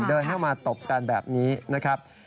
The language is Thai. เดินเข้ามาตบกันแบบนี้นะครับ